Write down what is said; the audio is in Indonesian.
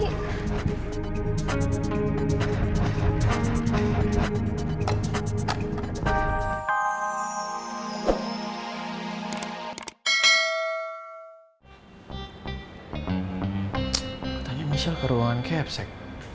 katanya michelle ke ruangan kevsek